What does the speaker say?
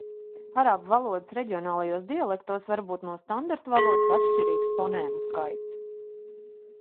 Arābu valodas reģionālajos dialektos var būt no standarta valodas atšķirīgs fonēmu skaits.